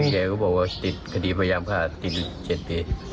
พี่แก๊ก็บอกว่าติดคดีพยามภาษาติด๗ปี